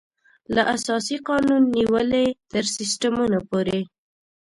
له اساسي قانون نېولې تر سیسټمونو پورې.